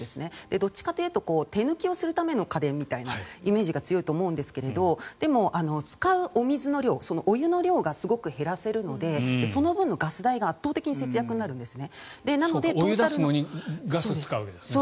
どっちかというと手抜きをするための家電みたいなイメージが強いと思うんですがでも、使うお水の量、お湯の量がすごく減らせるのでその分のガス代が圧倒的に節約になるんですね。